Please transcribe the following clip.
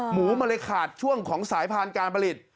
หมูมาเลยขาดช่วงของสายผ่านการผลิต